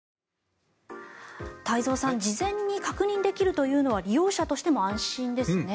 太蔵さん事前に確認できるというのは利用者としても安心ですね。